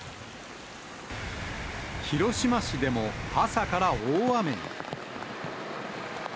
広島市でも朝から大雨に。